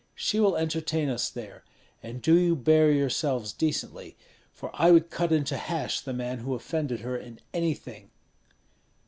She will entertain us there, and do you bear yourselves decently; for I would cut into hash the man who offended her in anything."